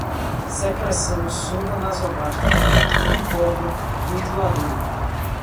secreção, sonda nasogástrica, tricorder, ventilador